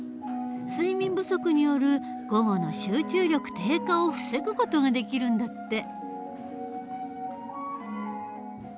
睡眠不足による午後の集中力低下を防ぐ事ができるんだって。